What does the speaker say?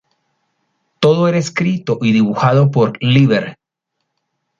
Todo era escrito y dibujado por Lieber.